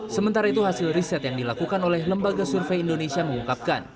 sementara itu hasil riset yang dilakukan oleh lembaga survei indonesia mengungkapkan